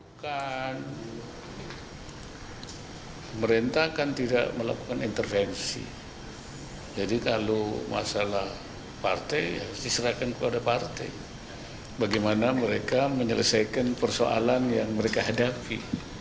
bukan pemerintah kan tidak melakukan intervensi jadi kalau masalah partai ya diserahkan kepada partai bagaimana mereka menyelesaikan persoalan yang mereka hadapi